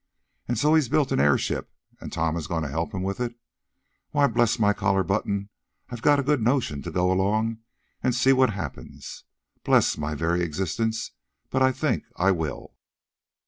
And so he's built an airship; and Tom is going to help him with it? Why, bless my collar button, I've a good notion to go along and see what happens. Bless my very existence, but I think I will!"